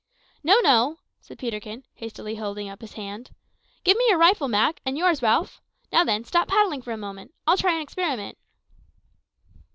"No, no," said Peterkin, hastily holding up his hand. "Give me your rifle, Mak; and yours, Ralph. Now then, stop paddling for a moment; I'll try an experiment."